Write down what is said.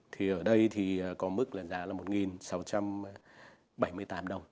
thì ở đây thì có mức là giá là một sáu trăm bảy mươi tám đồng